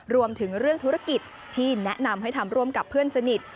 รวมถึงเรื่องธุรกิจที่แนะนำให้ทำร่วมกับเพื่อนสนิท